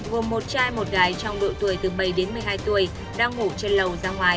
gồm một chai một gái trong độ tuổi từ bảy đến một mươi hai tuổi đang ngủ trên lầu ra ngoài